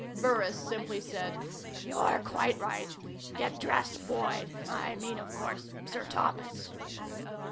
Burris simply said: "You're quite right. Get dressed, Boyd I mean, of course, Sir Thomas."